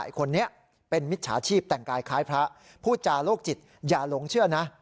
คนนี้เป็นมิจฉาชีพแต่งกายคล้ายพระพูดจาโลกจิตอย่าหลงเชื่อนะ